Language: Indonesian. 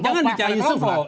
jangan bicara kelompok